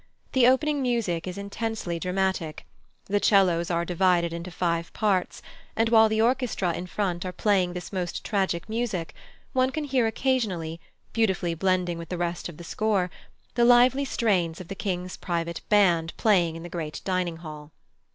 The opening music is intensely dramatic; the 'cellos are divided into five parts, and while the orchestra in front are playing this most tragic music, one can hear occasionally, beautifully blending with the rest of the score, the lively strains of the King's private band playing in the great dining hall.